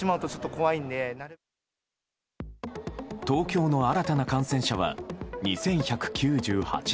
東京の新たな感染者は２１９８人。